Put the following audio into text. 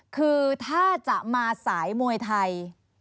คือถ้าจะมาสายมวยไทย